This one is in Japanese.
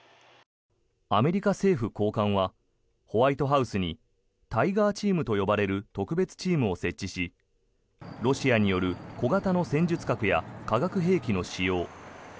アメリカ政府高官はホワイトハウスにタイガーチームと呼ばれる特別チームを設置しロシアによる小型の戦術核や化学兵器の使用